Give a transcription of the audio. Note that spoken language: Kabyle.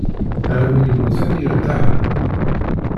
Ala win immuten i yeṛtaḥen.